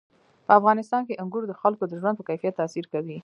په افغانستان کې انګور د خلکو د ژوند په کیفیت تاثیر کوي.